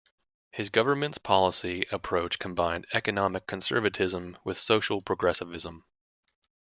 His government's policy approach combined economic conservatism with social progressivism.